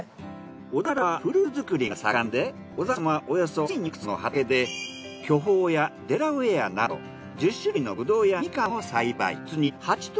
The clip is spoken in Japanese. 小田原はフルーツ作りが盛んで小澤さんはおよそ１，４００坪の畑で巨峰やデラウェアなど１０種類のブドウやみかんを栽培。